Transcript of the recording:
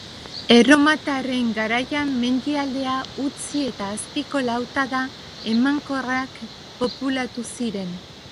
Erromatarren garaian mendialdea utzi eta azpiko lautada emankorrak populatu ziren.